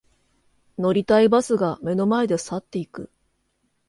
乗りたいバスが目の前で去っていく